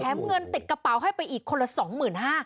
แถมเงินติดกระเป๋าให้ไปอีกคนละสองหมื่นห้า